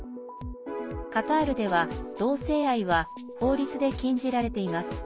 カタールでは同性愛は法律で禁じられています。